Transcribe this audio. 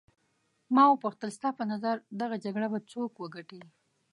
ما وپوښتل ستا په نظر دغه جګړه به څوک وګټي.